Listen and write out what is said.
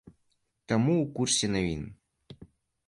Таму ў курсе навін.